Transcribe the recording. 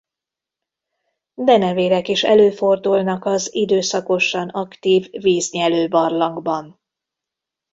Denevérek is előfordulnak az időszakosan aktív víznyelőbarlangban.